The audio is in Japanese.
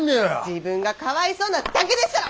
自分がかわいそうなだけでっしゃろ！